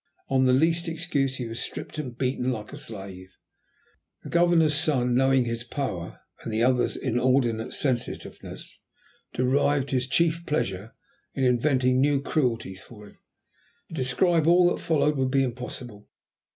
On the least excuse he was stripped and beaten like a slave. The Governor's son, knowing his power, and the other's inordinate sensitiveness, derived his chief pleasure in inventing new cruelties for him. To describe all that followed would be impossible.